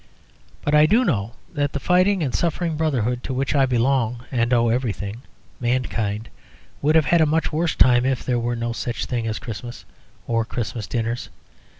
But I do know that the fighting and suffering brotherhood to which I belong and owe everything, Mankind, would have a much worse time if there were no such thing as Christmas or Christmas dinners.